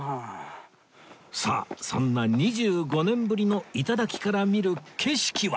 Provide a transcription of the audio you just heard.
さあそんな２５年ぶりの頂から見る景色は？